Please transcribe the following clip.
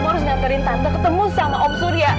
kamu harus nantarin tante ketemu sama om surya